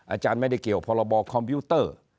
อาจารย์ไม่ได้เกี่ยวพรบคอมพิวเตอร์